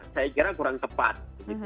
saya kira kurang tepat